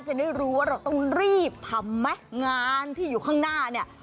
จะได้รู้ว่าเราต้องรีบทำไหมงานที่อยู่ข้างหน้าเนี่ย